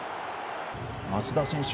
松田選手